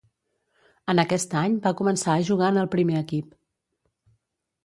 En aquest any va començar a jugar en el primer equip.